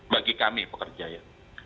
bagi kami pekerja ya